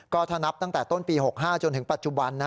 ก็ถ้านับตั้งแต่ต้นปี๖๕จนถึงปัจจุบัน